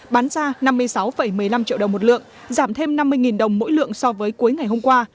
bán ra năm mươi sáu một mươi năm triệu đồng một lượng giảm thêm năm mươi đồng mỗi lượng so với cuối ngày hôm qua